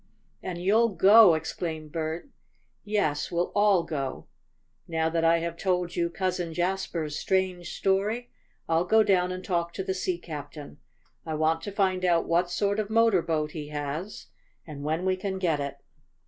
"And you'll go!" exclaimed Bert. "Yes, we'll all go. Now that I have told you Cousin Jasper's strange story I'll go down and talk to the sea captain. I want to find out what sort of motor boat he has, and when we can get it."